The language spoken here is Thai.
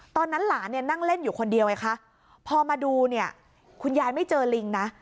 ตอนนั้นหลานเนี่ยนั่งเล่นอยู่คนเดียวไงคะพอมาดูเนี่ยคุณยายไม่เจอลิงนะ